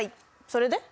それで？